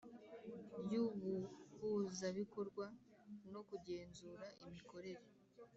ry Ubuhuzabikorwa no kugenzura imikorere